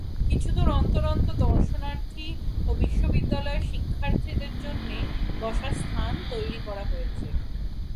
কিছুদূর অন্তর অন্তর দর্শনার্থী ও বিশ্ববিদ্যালয়ের শিক্ষার্থীদের জন্য বসার স্থান তৈরি করা হয়েছে।